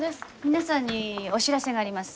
皆さんにお知らせがあります。